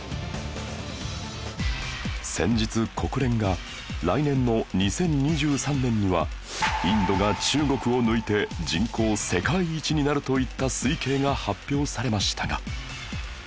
先日国連が来年の２０２３年にはインドが中国を抜いて人口世界一になるといった推計が発表されましたが